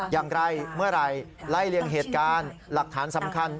อย่างไรเมื่อไหร่ไล่เลี่ยงเหตุการณ์หลักฐานสำคัญ